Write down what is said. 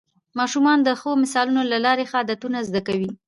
ماشومان د ښو مثالونو له لارې ښه عادتونه زده کوي